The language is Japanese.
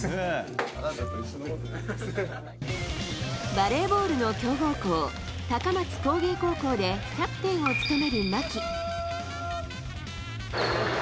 バレーボールの強豪校高松工芸高校でキャプテンを務める牧。